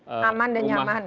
aman dan nyaman